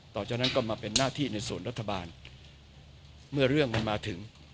จากนั้นก็มาเป็นหน้าที่ในส่วนรัฐบาลเมื่อเรื่องมันมาถึง